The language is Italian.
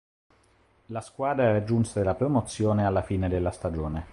La squadra raggiunse la promozione alla fine della stagione.